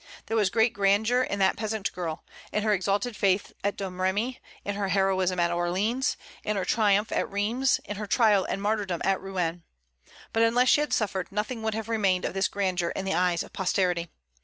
There was great grandeur in that peasant girl, in her exalted faith at Domremy, in her heroism at Orleans, in her triumph at Rheims, in her trial and martyrdom at Rouen. But unless she had suffered, nothing would have remained of this grandeur in the eyes of posterity.